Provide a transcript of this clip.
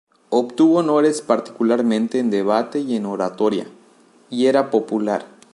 Obtuvo honores, particularmente, en debate y en oratoria, y era popular.